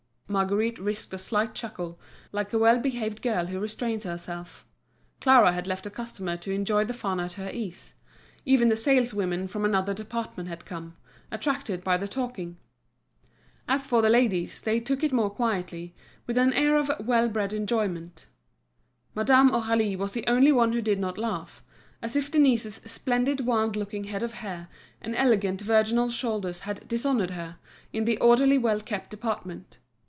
Marguerite risked a slight chuckle, like a well behaved girl who restrains herself; Clara had left a customer to enjoy the fun at her ease; even the saleswomen from another department had come, attracted by the talking. As for the ladies they took it more quietly, with an air of well bred enjoyment. Madame Aurélie was the only one who did not laugh, as if Denise's splendid wild looking head of hair and elegant virginal shoulders had dishonoured her, in the orderly well kept department.